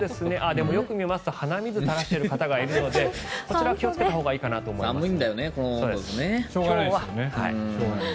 でも、よく見ると鼻水を垂らしている方がいるのでこちら、気をつけたほうがいいかなと思います。